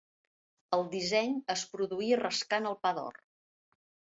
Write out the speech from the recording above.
El disseny es produïa rascant el pa d'or.